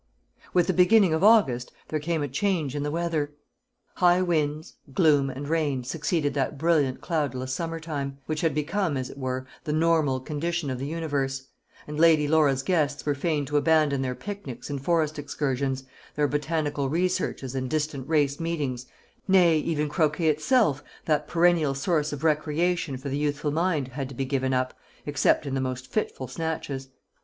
With the beginning of August there came a change in the weather. High winds, gloom, and rain succeeded that brilliant cloudless summer time, which had become, as it were, the normal condition of the universe; and Lady Laura's guests were fain to abandon their picnics and forest excursions, their botanical researches and distant race meetings nay, even croquet itself, that perennial source of recreation for the youthful mind, had to be given up, except in the most fitful snatches.